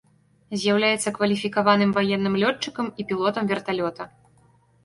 З'яўляецца кваліфікаваным ваенным лётчыкам і пілотам верталёта.